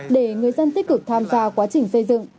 để người dân tích cực tham gia quá trình xây dựng